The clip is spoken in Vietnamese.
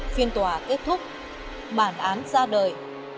phiên tòa kết thúc bản án ra đời